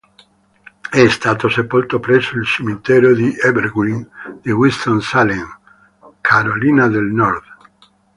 È stato sepolto presso il cimitero di Evergreen di Winston-Salem, Carolina del Nord.